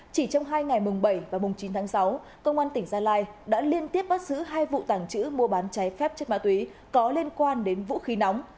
chỉ trong hai ngày mùng bảy và mùng chín tháng sáu công an tỉnh gia lai đã liên tiếp bắt giữ hai vụ tàng trữ mua bán cháy phép chất ma túy có liên quan đến vũ khí nóng